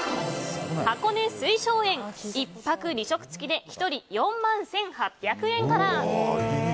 箱根・翠松園、１泊２食付で１人、４万１８００円から。